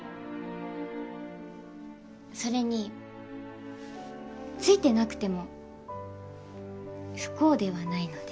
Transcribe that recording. それについてなくても不幸ではないので。